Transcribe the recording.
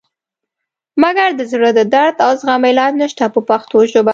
مګر د زړه د درد او زخم علاج نشته په پښتو ژبه.